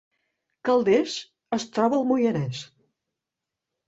Calders es troba al Moianès